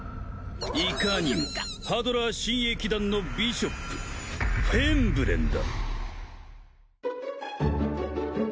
いかにもハドラー親衛騎団のビショップフェンブレンだ。